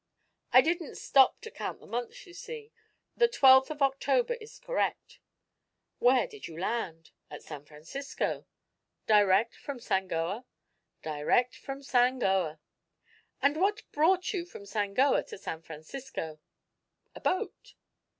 "I didn't stop to count the months, you see. The twelfth of October is correct." "Where did you land?" "At San Francisco." "Direct from Sangoa?" "Direct from Sangoa." "And what brought you from Sangoa to San Francisco?" "A boat."